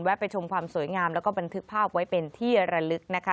ไปชมความสวยงามแล้วก็บันทึกภาพไว้เป็นที่ระลึกนะคะ